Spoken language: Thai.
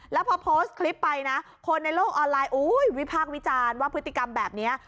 แล้วพอโพสต์คลิปไปนะคนในโลกออนไลน์วิพากษ์วิจารณ์ว่าพฤติกรรมแบบนี้